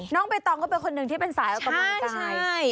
น้องเป๋ตองก็เป็นคนหนึ่งที่เป็นสายออกกำลังกาย